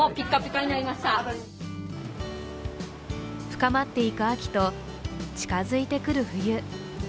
深まっていく秋と近づいてくる冬。